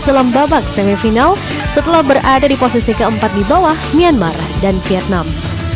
dalam babak semifinal setelah berada di posisi keempat di bawah myanmar dan vietnam